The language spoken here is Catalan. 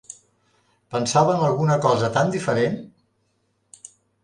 Pensava en alguna cosa tan diferent!